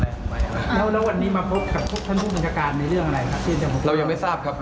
แล้วแล้ววันนี้มาพบกับท่านผู้จังการในเรื่องอะไรครับเรายังไม่ทราบครับ